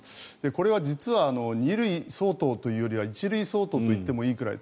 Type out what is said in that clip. これは実は２類相当というよりは１類相当といってもいいくらい。